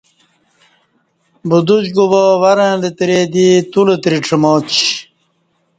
بدوش گوبا ورں لتری دی تولتری ڄماچی